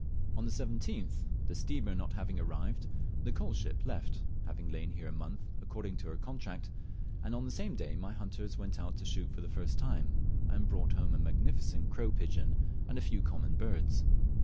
On the 17th, the steamer not having arrived, the coal ship left, having lain here a month, according to her contract; and on the same day my hunters went out to shoot for the first time, and brought home a magnificent crown pigeon and a few common birds.